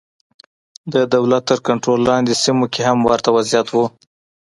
د دولت تر کنټرول لاندې سیمو کې هم ورته وضعیت و.